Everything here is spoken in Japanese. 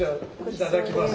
いただきます。